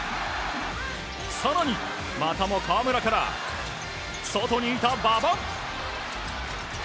更に、またも河村から外にいた馬場！